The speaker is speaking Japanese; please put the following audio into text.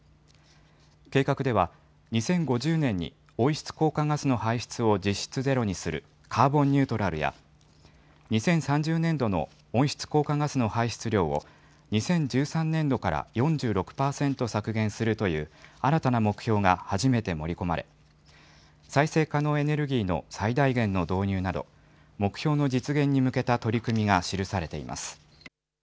計画では、２０５０年に温室効果ガスの排出を実質ゼロにするカーボンニュートラルや、２０３０年度の温室効果ガスの排出量を、２０１３年度から４６％削減するという新たな目標が初めて盛り込まれ、再生可能エネルギーの最大限の導入など、目標の実現に向けた取り組みが記されています。